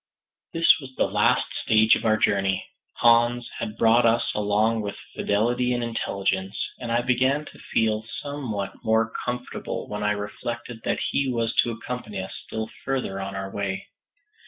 This was the last stage of our journey. Hans had brought us along with fidelity and intelligence, and I began to feel somewhat more comfortable when I reflected that he was to accompany us still farther on our way.